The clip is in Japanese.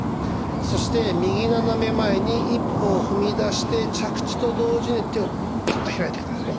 そして右斜め前に一歩踏み出して着地と同時に手をパッと開いてください。